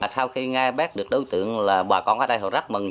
sau khi nghe bác được đối tượng là bà con ở đây họ rất mừng